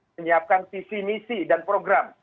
menyiapkan visi misi dan program